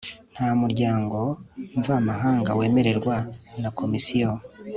nta muryango mvamahanga wemererwa na komisiyo